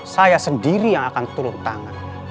saya sendiri yang akan turun tangan